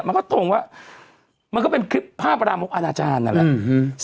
มันก็ตรงว่ามันก็เป็นคลิปภาพรามกอนาจารย์นั่นแหละ